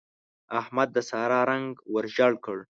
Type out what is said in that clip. احمد د سارا رنګ ور ژړ کړ.